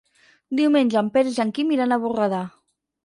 Diumenge en Peris i en Quim iran a Borredà.